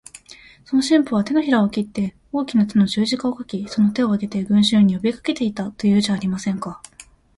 その神父は、てのひらを切って大きな血の十字架を書き、その手を上げて、群集に呼びかけていた、というじゃありませんか。